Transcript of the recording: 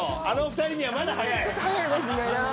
あの２人にはまだ早い？